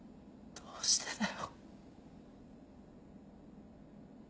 どうしてだよ！